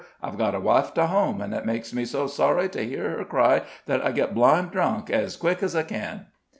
I've got a wife to home, an' it makes me so sorry to hear her cry, that I get blind drunk ez quick ez I ken."